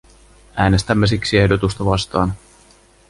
Äänestämme siksi ehdotusta vastaan.